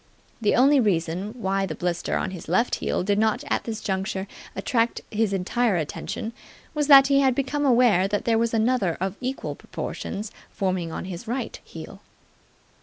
The only reason why the blister on his left heel did not at this juncture attract his entire attention was that he had become aware that there was another of equal proportions forming on his right heel.